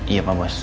iya pak bos